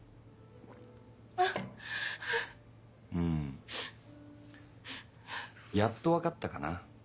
ん。やっと分かったかな。